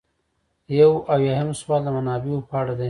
یو اویایم سوال د منابعو په اړه دی.